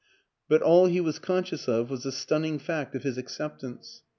. but all he was conscious of was the stunning fact of his ac ceptance.